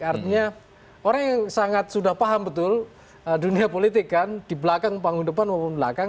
artinya orang yang sangat sudah paham betul dunia politik kan di belakang panggung depan maupun belakang